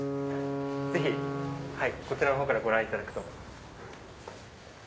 ぜひこちらのほうからご覧いただくと。